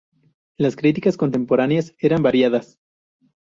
Las críticas contemporáneas eran variadas.